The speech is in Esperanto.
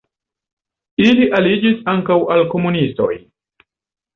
Ili aliĝis ankaŭ al komunistoj.